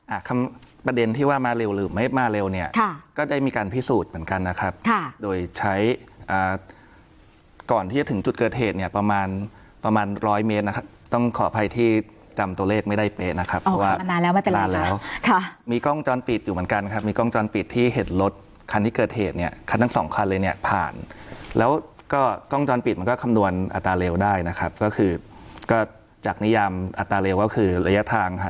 อ่าคำประเด็นที่ว่ามาเร็วหรือไม่มาเร็วเนี่ยก็ได้มีการพิสูจน์เหมือนกันนะครับโดยใช้ก่อนที่จะถึงจุดเกิดเหตุเนี่ยประมาณประมาณร้อยเมตรนะครับต้องขออภัยที่จำตัวเลขไม่ได้เป๊ะนะครับว่านานแล้วไม่เป็นไรแล้วมีกล้องจ้อนปิดอยู่เหมือนกันครับมีกล้องจ้อนปิดที่เห็นรถคันที่เกิดเหตุเนี่ยคันทั้งสองคั